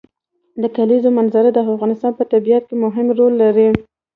د کلیزو منظره د افغانستان په طبیعت کې مهم رول لري.